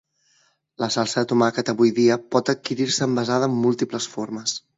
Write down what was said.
La salsa de tomàquet avui dia pot adquirir-se envasada en múltiples formes.